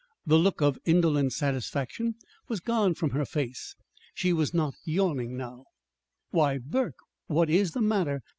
The look of indolent satisfaction was gone from her face. She was not yawning now. "Why, Burke, what is the matter?"